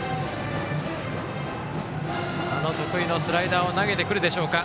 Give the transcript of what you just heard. あの得意のスライダーを投げてくるでしょうか。